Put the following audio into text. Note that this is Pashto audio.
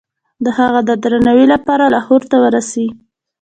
د هغه د درناوي لپاره لاهور ته ورسي.